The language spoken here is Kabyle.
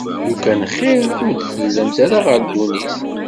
Lukan xir ur d-tellamt ɣer ddunit.